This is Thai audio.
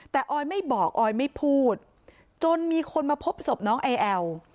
แต่ออยไม่บอกออยไม่พูดจนมีคนมาพบศพน้องไอแอล